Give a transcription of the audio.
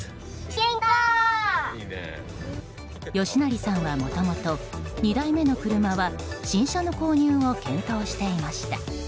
吉成さんはもともと２台目の車は新車の購入を検討していました。